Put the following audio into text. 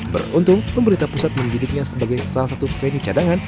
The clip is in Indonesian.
beruntung pemerintah pusat mendidiknya sebagai salah satu venue cadangan